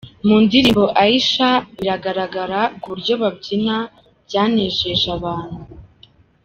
Mu ndirimbo ’Aisha’ biragaragara ko uburyo babyina byanejeje abantu.